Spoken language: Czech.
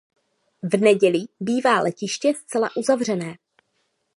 V neděli bývá letiště zcela uzavřené.